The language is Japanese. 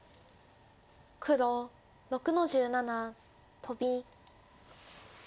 黒６の十七トビ。